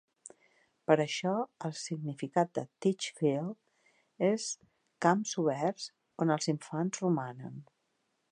Per això, el significat de Titchfield és "camps oberts on els infants romanen".